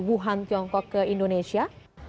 wuhan tiongkok ke indonesia